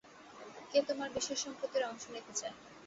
কে তোমার বিষয়সম্পত্তির অংশ নিতে চায়!